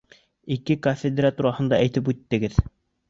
— Ике кафедра тураһында әйтеп үттегеҙ.